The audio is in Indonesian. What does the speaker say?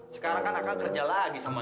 sekarang ad kerja lagi sama ad